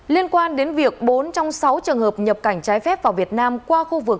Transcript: liên quan đến việc bốn trong sáu trường hợp nhập cảnh trái phép vào việt nam qua khu vực